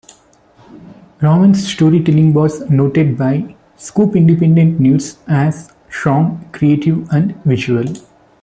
Ramon's storytelling was noted by "Scoop Independent News" as "strong, creative and visual.